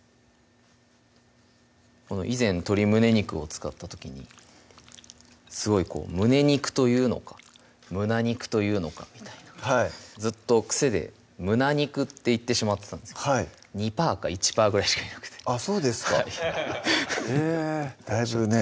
以前鶏胸肉を使った時にすごいこう「胸肉」と言うのか「胸肉」と言うのかみたいなずっと癖で「胸肉」って言ってしまってたんですけど２％か１％ぐらいしかいなくてあっそうですかへぇだいぶね